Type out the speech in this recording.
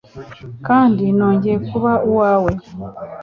Kandi nongeye kuba uwawe